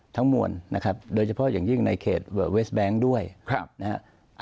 ทั้งหมดนะครับโดยเฉพาะอย่างยิ่งในเขตเวอร์เวสแบงค์ด้วยครับนะฮะ